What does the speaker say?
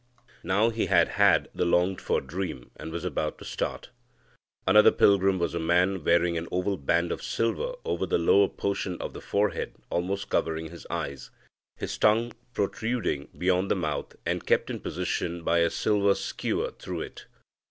Now he had had the longed for dream, and was about to start. Another pilgrim was a man wearing an oval band of silver over the lower portion of the forehead, almost covering his eyes; his tongue protruding beyond the mouth, and kept in position by a silver skewer through it.